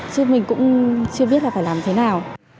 chứ mình cũng chưa biết là phải làm thế nào